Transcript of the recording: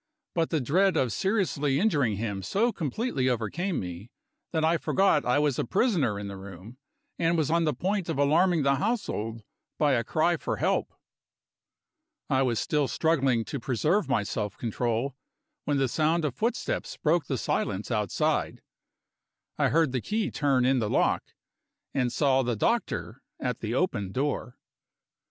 But the dread of seriously injuring him so completely overcame me, that I forgot I was a prisoner in the room, and was on the point of alarming the household by a cry for help. I was still struggling to preserve my self control, when the sound of footsteps broke the silence outside. I heard the key turn in the lock, and saw the doctor at the open door.